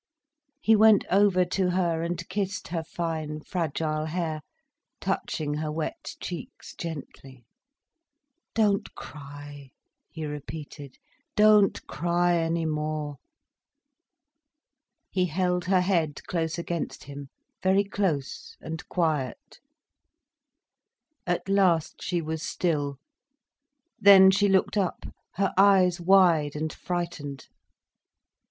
He went over to her and kissed her fine, fragile hair, touching her wet cheeks gently. "Don't cry," he repeated, "don't cry any more." He held her head close against him, very close and quiet. At last she was still. Then she looked up, her eyes wide and frightened.